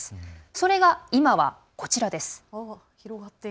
それが今は、こちらです。